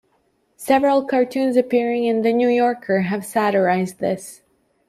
Several cartoons appearing in "The New Yorker" have satirized this.